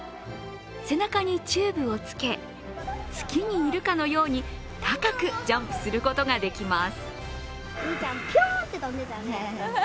背中にチューブをつけ、月にいるかのように高くジャンプすることができます。